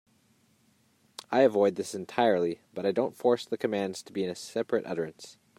I avoid this entirely, but I don't force the commands to be in a separate utterance.